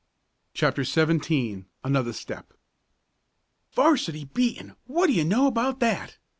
CHAPTER XVII ANOTHER STEP "'Varsity beaten! What do you know about that?"